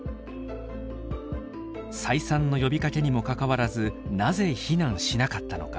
再三の呼びかけにもかかわらずなぜ避難しなかったのか。